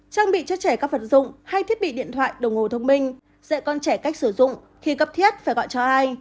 trang bị cho trẻ các vật dụng hay thiết bị điện thoại đồng hồ thông minh dạy con trẻ cách sử dụng khi cấp thiết phải gọi cho ai